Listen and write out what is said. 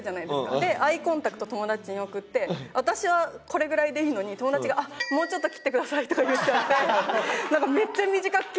でアイコンタクト友達に送って私はこれぐらいでいいのに友達が「もうちょっと切ってください」とか言っちゃってめっちゃ短く切られたりとかして。